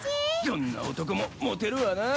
どんな男もモテるわな。